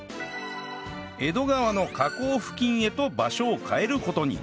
江戸川の河口付近へと場所を変える事に